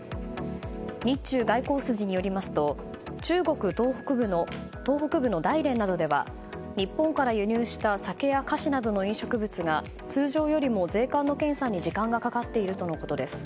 日中外交筋によりますと中国東北部の大連などでは日本から輸入した酒や菓子などの飲食物が通常よりも税関の検査に時間がかかっているとのことです。